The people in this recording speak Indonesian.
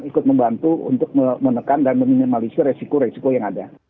ikut membantu untuk menekan dan meminimalisir resiko resiko yang ada